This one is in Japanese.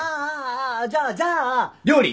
じゃじゃあ料理！